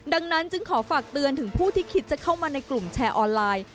ดังนั้นจึงขอฝากเตือนถึงผู้ที่คิดจะเข้ามาในกลุ่มแชร์ออนไลน์